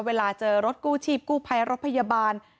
เวลาเจอรถกู้ชีพกู้ภัยรถพยาบาล